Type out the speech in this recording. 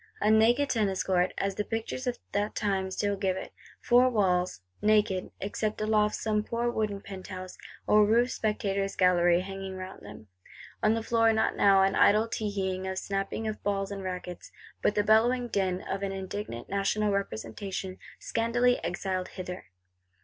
A naked Tennis Court, as the pictures of that time still give it: four walls; naked, except aloft some poor wooden penthouse, or roofed spectators' gallery, hanging round them:—on the floor not now an idle teeheeing, a snapping of balls and rackets; but the bellowing din of an indignant National Representation, scandalously exiled hither!